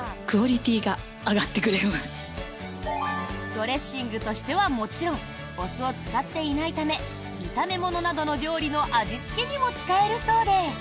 ドレッシングとしてはもちろんお酢を使っていないため炒め物などの料理の味付けにも使えるそうで。